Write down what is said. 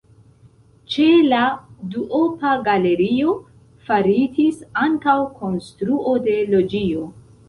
Ĉe la duopa galerio faritis ankaŭ konstruo de loĝio.